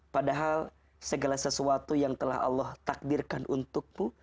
padahal segala sesuatu yang telah allah takdirkan untukmu